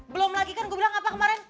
belum lagi kan gue bilang apa kemarin